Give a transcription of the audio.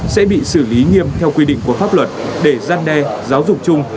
sẽ bị xử lý nghiêm theo quy định của pháp luật để gian đe giáo dục chung